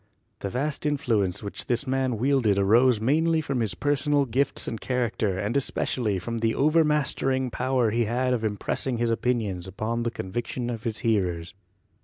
The vast influence which this man wielded arose mainly from his personal gifts and character and especially from the overmastering power he had of im pressing his opinions upon the convictions of his hearers.